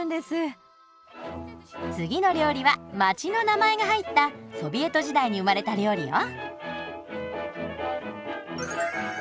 次の料理は街の名前が入ったソビエト時代に生まれた料理よ。